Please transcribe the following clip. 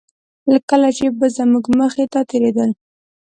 کله چې به زموږ مخې ته تېرېدل.